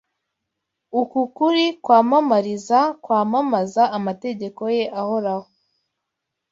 uku kuri kwamamariza kwamamaza Amategeko ye ahoraho